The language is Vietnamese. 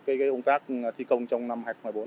cái công tác thi công trong năm hai nghìn một mươi bốn